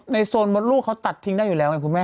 โซนมดลูกเขาตัดทิ้งได้อยู่แล้วไงคุณแม่